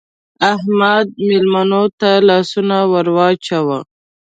احمده! مېلمنو ته لاسونه ور واچوه.